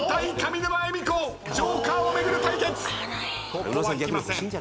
ここは引きません。